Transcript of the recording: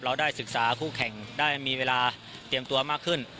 ได้ศึกษาคู่แข่งได้มีเวลาเตรียมตัวมากขึ้น